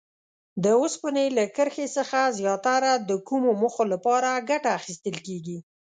د اوسپنې له کرښې څخه زیاتره د کومو موخو لپاره ګټه اخیستل کیږي؟